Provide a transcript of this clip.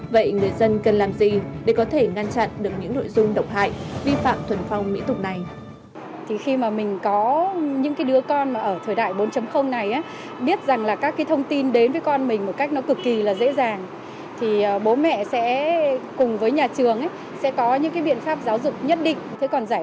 vậy người dân cần làm gì để có thể ngăn chặn được những nội dung độc hại vi phạm thuần phong mỹ tục này